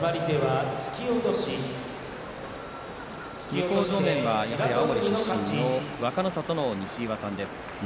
向正面は、やはり青森出身の若の里の西岩さんです。